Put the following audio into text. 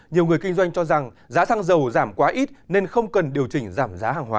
nhiều người kinh doanh cho rằng giá xăng dầu giảm quá ít nên không cần điều chỉnh giảm giá hàng hóa